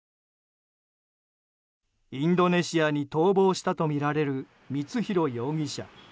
インドネシアに逃亡したとみられる光弘容疑者。